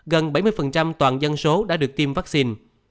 gần bảy mươi toàn dân số đã được tiêm vaccine